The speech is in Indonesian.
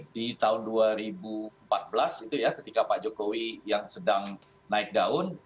di tahun dua ribu empat belas itu ya ketika pak jokowi yang sedang naik daun